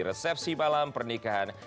resepsi malam pernikahan